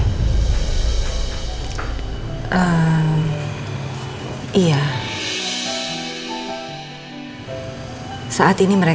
saat ini mereka sedang berjalan jalan